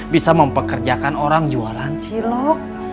bisa mempekerjakan orang jualan cilok